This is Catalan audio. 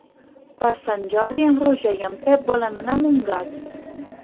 Per Sant Jordi en Roger i en Pep volen anar a Montgat.